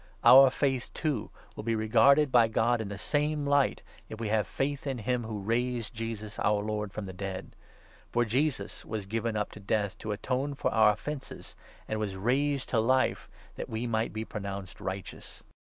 Our faith, too, will be regarded by God in the same light, if we have faith in him who raised Jesus, our Lord, from the dead ; for Jesus ' was given up to 25 death to atone for our offences,' and was raised to life that we might be pronounced righteous.